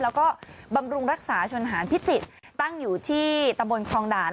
แล้วก็บำรุงรักษาชนหารพิจิตรตั้งอยู่ที่ตำบลคลองด่าน